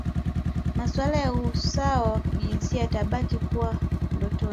Masuala ya usawa wa kijinsia yatabaki kuwa ndotoni